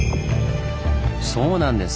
そうなんです！